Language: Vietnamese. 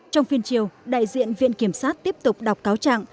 trong phiên chiều đại diện viện kiểm sát tiếp tục đọc cáo trạng